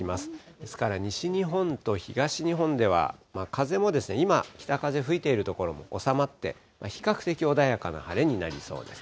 ですから西日本と東日本では風も今、北風吹いている所も収まって、比較的穏やかな晴れになりそうです。